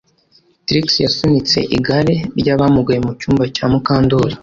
Trix yasunitse igare ryabamugaye mu cyumba cya Mukandoli